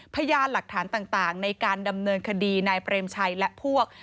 พยานหลักฐานต่างในการดำเนินคดีนายเปรมชัยและพวก